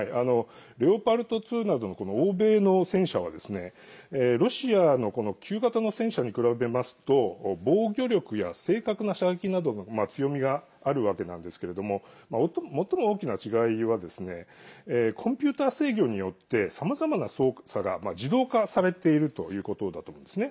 レオパルト２などの欧米の戦車はロシアの旧型の戦車に比べますと防御力や正確な射撃などの強みがあるわけなんですけど最も大きな違いはコンピューター制御によってさまざまな操作が自動化されているということなんですね。